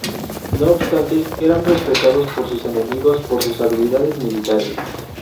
No obstante, eran respetados por sus enemigos por sus habilidades militares.